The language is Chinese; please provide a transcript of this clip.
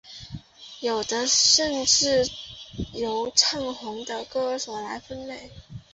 有的甚至由唱红的歌手来分类。